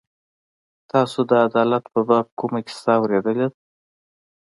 تاسو د عدالت په باب کومه کیسه اورېدلې ده.